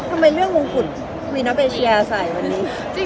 ทำไมเรื่องมงกุฎวีณเอเชียใส่วันนี้